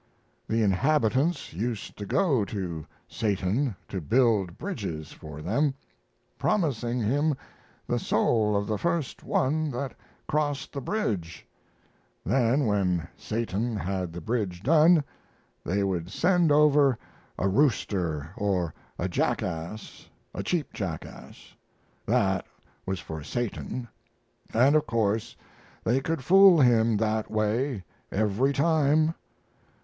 The inhabitants used to go to Satan to build bridges for them, promising him the soul of the first one that crossed the bridge; then, when Satan had the bridge done, they would send over a rooster or a jackass a cheap jackass; that was for Satan, and of course they could fool him that way every time.